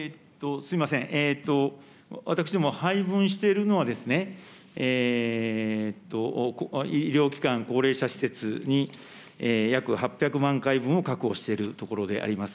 すみません、私ども、配分しているのは、医療機関、高齢者施設に約８００万回分を確保しているところであります。